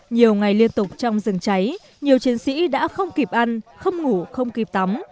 nhiều ngày liên tục trong rừng cháy nhiều chiến sĩ đã không kịp ăn không ngủ không kịp tắm